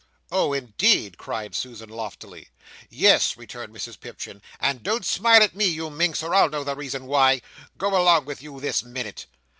"Oh indeed!" cried Susan, loftily. "Yes," returned Mrs Pipchin, "and don't smile at me, you minx, or I'll know the reason why! Go along with you this minute!"